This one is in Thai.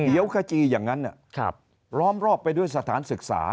เดี๋ยวขจีอย่างนั้นล้อมรอบไปด้วยสถานศึกษา